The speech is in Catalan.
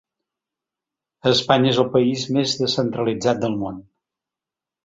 Espanya és el país més descentralitzat del món.